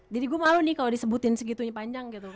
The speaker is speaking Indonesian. jadi gue malu nih kalau disebutin segitunya panjang gitu